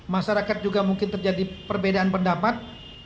masyarakat juga mungkin terjadi perbedaan pendapat